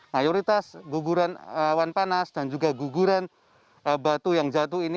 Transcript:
mayoritas guguran awan panas dan juga guguran batu yang jatuh ini